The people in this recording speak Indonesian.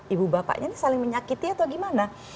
ibu bapaknya ini saling menyakiti atau gimana